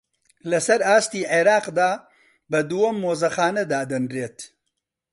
لەسەر ئاستی عێراقدا بە دووەم مۆزەخانە دادەنرێت